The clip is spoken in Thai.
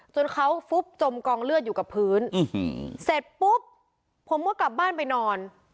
จนเขาฟุบจมกองเลือดอยู่กับพื้นเสร็จปุ๊บผมก็กลับบ้านไปนอน